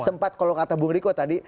sempat kalau kata bung riko tadi